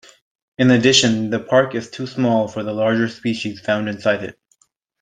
In addition, the park is too small for the larger species found inside it.